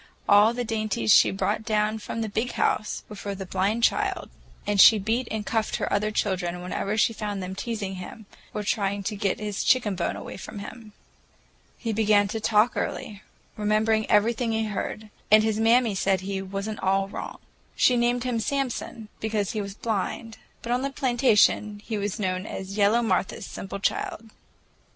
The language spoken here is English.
All the dainties she brought down from the "Big House" were for the blind child, and she beat and cuffed her other children whenever she found them teasing him or trying to get his chicken bone away from him. He began to talk early, remembered everything he heard, and his mammy said he "was n't all wrong." She named him Samson, because he was blind, but on the plantation he was known as "yellow Martha's simple child."